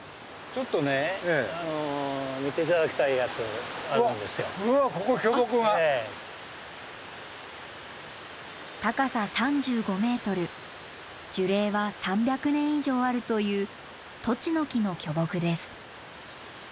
ちょっとね高さ３５ｍ樹齢は３００年以上あるというトチノキの巨木です。